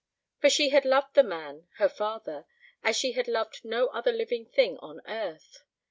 For she had loved the man—her father—as she had loved no other living thing on earth.